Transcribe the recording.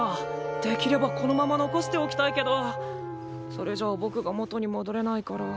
できればこのまま残しておきたいけどそれじゃぼくが元にもどれないから。